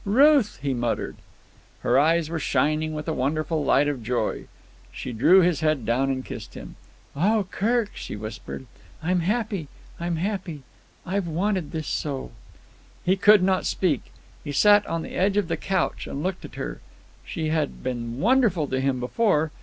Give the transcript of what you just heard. "Ruth!" he muttered. Her eyes were shining with a wonderful light of joy. She drew his head down and kissed him. "Oh, Kirk," she whispered. "I'm happy. I'm happy. I've wanted this so." He could not speak. He sat on the edge of the couch and looked at her. She had been wonderful to him before.